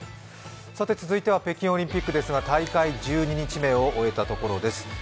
続いては北京オリンピックですが、大会１１日目を終えたところです。